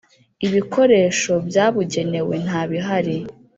Ibikoresho byabugenewe ntabihari.